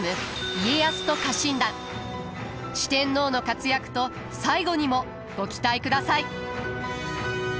四天王の活躍と最期にもご期待ください。